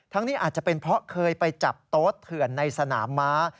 นี้อาจจะเป็นเพราะเคยไปจับโต๊ดเถื่อนในสนามม้า